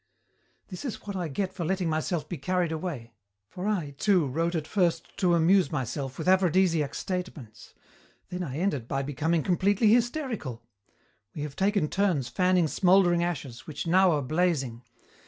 "This is what I get for letting myself be carried away. For I, too, wrote at first to amuse myself with aphrodisiac statements. Then I ended by becoming completely hysterical. We have taken turns fanning smouldering ashes which now are blazing.